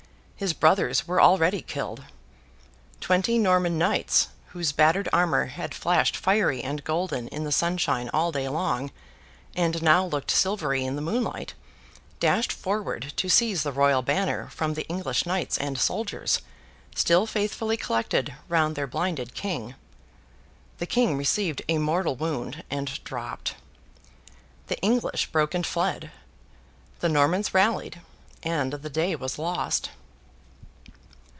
His brothers were already killed. Twenty Norman Knights, whose battered armour had flashed fiery and golden in the sunshine all day long, and now looked silvery in the moonlight, dashed forward to seize the Royal banner from the English Knights and soldiers, still faithfully collected round their blinded King. The King received a mortal wound, and dropped. The English broke and fled. The Normans rallied, and the day was lost.